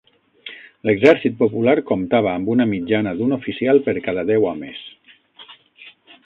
L'Exèrcit Popular comptava amb una mitjana d'un oficial per cada deu homes